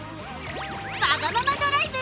「わがままドライブ！